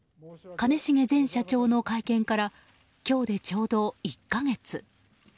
兼重前社長の会見から今日でちょうど１か月。